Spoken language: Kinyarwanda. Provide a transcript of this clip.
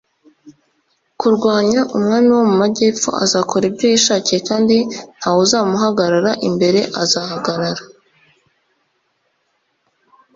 kurwanya umwami wo mu majyepfo azakora ibyo yishakiye kandi nta wuzamuhagarara imbere Azahagarara